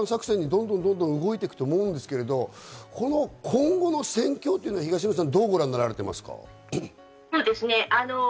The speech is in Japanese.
当然、奪還作戦どんどん動いてくと思うんですけど、今後の戦況っていうのは東野先生、どうご覧なっていますか？